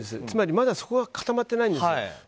つまりまだそこが固まってないんです。